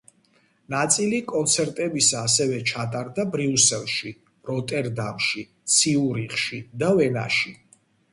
ნაწილი კონცერტებისა ასევე ჩატარდა ბრიუსელში, როტერდამში, ციურიხში და ვენაში.